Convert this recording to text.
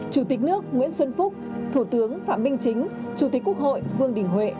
chủ tịch nước nguyễn xuân phúc thủ tướng phạm minh chính chủ tịch quốc hội vương đình huệ